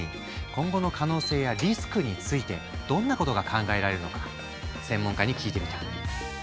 今後の可能性やリスクについてどんなことが考えられるのか専門家に聞いてみた。